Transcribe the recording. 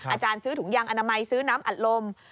อาจารย์ซื้อถุงยางอนามัยซื้อน้ำอัดลม